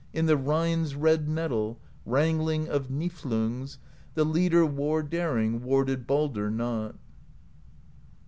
In the Rhine's red metal. Wrangling of Niflungs, The leader war daring. Warded Baldr not.